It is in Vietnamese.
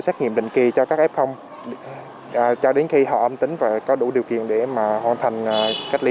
xét nghiệm định kỳ cho các f cho đến khi họ âm tính và có đủ điều kiện để mà hoàn thành cách ly